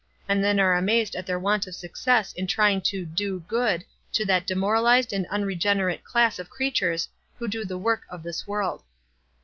and then are amazed at their want of success in trying to " do good " to that demoralized and unregenerate class of creatures who do the work of this world.